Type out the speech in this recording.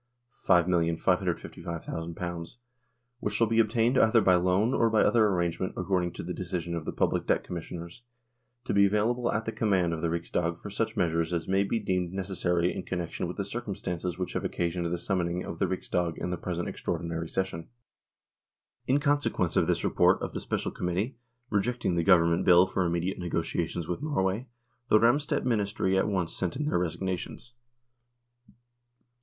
5,555,000), which shall be obtained either by loan or by other arrangement according to the decision of the Public Debt Commissioners, to be available at the command of the Riksdag for such measures as may be deemed necessary in connection with the circumstances which have occasioned the summoning of the Riksdag in the present extraordinary session." In consequence of this report of the Special Com mittee, rejecting the Government Bill for immediate negotiations with Norway, the Ramstedt Ministry at once sent in their resignations.